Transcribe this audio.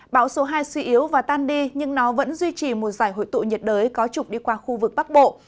bão số hai suy yếu và tan đi nhưng nó vẫn duy trì một giải hội tụ nhiệt đới có trục đi qua khu vực bắc bộ